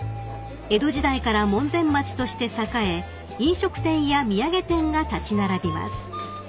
［江戸時代から門前町として栄え飲食店や土産店が立ち並びます］